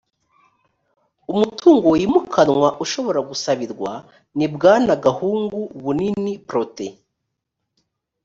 umutungo wimukanwa ushobora gusabirwa ni bwana gahungu bunini protais